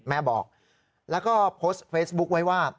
แม่บอกแล้วก็โพสต์เฟซบุ๊คไว้ว่า